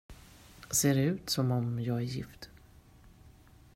Ser det ut som om jag är gift?